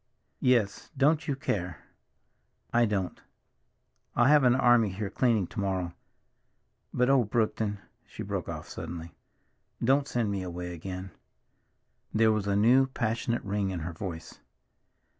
"Yes. Don't you care." "I don't. I'll have an army here cleaning to morrow. But oh, Brookton—" she broke off suddenly—"don't send me away again!" There was a new, passionate ring in her voice.